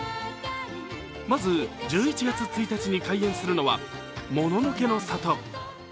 まず、１１月１日に開園するのはもののけの里。